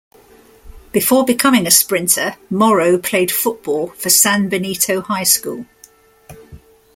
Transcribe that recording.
Before becoming a sprinter, Morrow played football for San Benito High School.